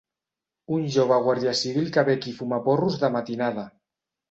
Un jove guàrdia civil que ve aquí a fumar porros de matinada.